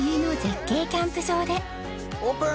オープン！